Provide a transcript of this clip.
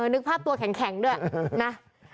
นึกภาพตัวแข็งด้วยนะ